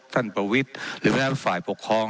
ประวิทย์หรือแม้ฝ่ายปกครอง